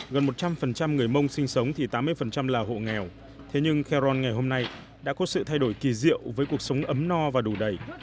gần một trăm linh người mông sinh sống thì tám mươi là hộ nghèo thế nhưng khe ron ngày hôm nay đã có sự thay đổi kỳ diệu với cuộc sống ấm no và đủ đầy